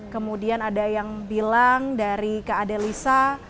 kemudian ada yang bilang dari kak ade lisa